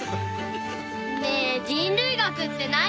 ねえ人類学って何？